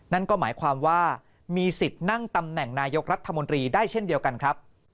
นั่นก็หมายความว่ามีสิทธิ์นั่งตำแหน่งนายกรัฐมนตรีได้เช่นเดียวกันครับ